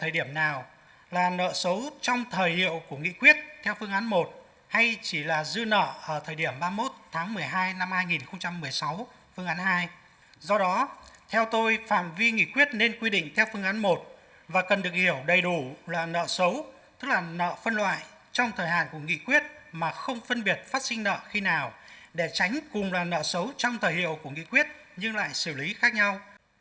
để tránh cùng là nợ xấu trong thời hiệu của nghị quyết nhưng lại xử lý khác nhau